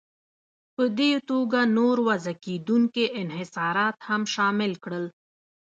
په دې توګه نور وضع کېدونکي انحصارات هم شامل کړل.